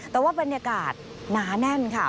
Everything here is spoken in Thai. แต่ว่าบรรยากาศหนาแน่นค่ะ